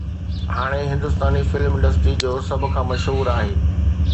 هاڻي Hindustani film industry جو سڀ کان مشهور آهي